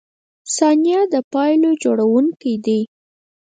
• ثانیه د پایلو جوړونکی ده.